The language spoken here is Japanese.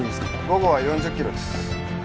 午後は４０キロです